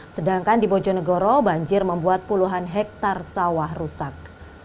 sedangkan di bojonegoro banjir membuat puluhan hektare sawah rusak